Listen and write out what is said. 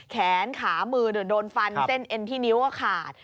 แขนขามือโดนฟันเส้นเอ็นที่นิ้วก็ขาด